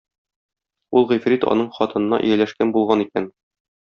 ул Гыйфрит аның хатынына ияләшкән булган икән.